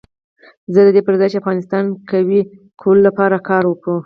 نو د دې پر ځای چې د افغانستان قوي کولو لپاره کار وکړو.